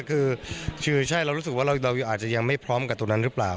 คือใช่เรารู้สึกว่าเราอาจจะยังไม่พร้อมกับตรงนั้นหรือเปล่า